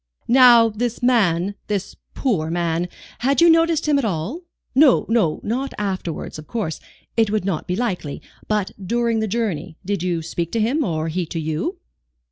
"Now this man, this poor man, had you noticed him at all? No no not afterwards, of course. It would not be likely. But during the journey. Did you speak to him, or he to you?"